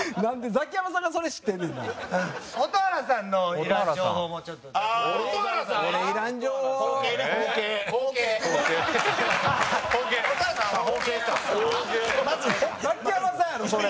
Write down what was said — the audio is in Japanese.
ザキヤマさんやろそれ！